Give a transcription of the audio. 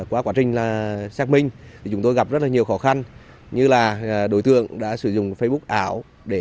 qua quá trình xác minh chúng tôi gặp rất là nhiều khó khăn như là đối tượng đã sử dụng facebook ảo